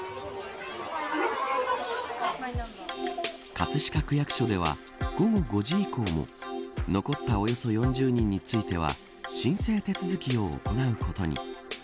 葛飾区役所では午後５時以降も残ったおよそ４０人については申請手続きを行うことに。